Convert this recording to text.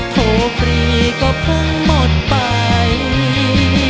โทรฟรีก็เพิ่งหมดไป